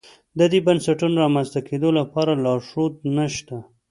د دې بنسټونو رامنځته کېدو لپاره لارښود نه شته.